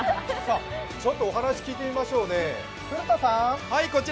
ちょっとお話を聞いてみましょうね、古田さん。